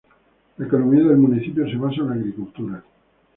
La economía del municipio se basa en la agricultura.